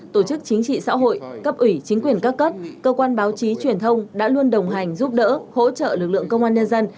tổ chức chính trị xã hội cấp ủy chính quyền các cấp cơ quan báo chí truyền thông đã luôn đồng hành giúp đỡ hỗ trợ lực lượng công an nhân dân